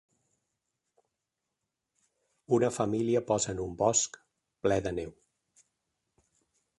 Una família posa en un bosc ple de neu.